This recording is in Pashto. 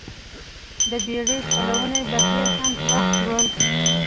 د بېړۍ چلونې بهیر هم پراخ شول.